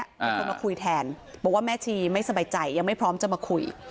มีคนมาคุยแทนบอกว่าแม่ชีไม่สบายใจยังไม่พร้อมจะมาคุย